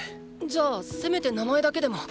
じゃあせめて名前だけでもーー。